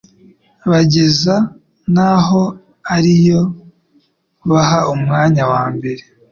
Bageza naho ari yo baha umwanya wa mbere